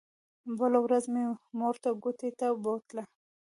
بله ورځ مې مور کوټې ته بوتله.